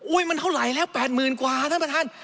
อุ้ยมันเท่าไหร่แล้วแปดหมื่นกว่าท่านประธาน